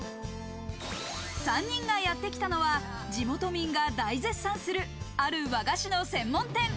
３人がやってきたのは地元民が大絶賛するある和菓子の専門店。